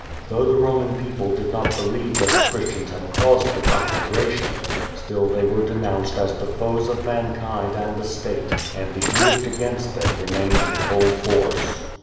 Though the Roman people did not believe that the Christians had caused the conflagration, still they were denounced as the foes of mankind and the state and the edict against them remained in full force.